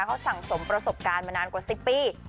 เขาสั่งสมประสบการณ์มานานกว่า๑๐ปี